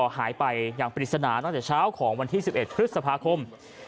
หายไปอย่างปริศนาตั้งแต่เช้าของวันที่๑๑พฤษภาคม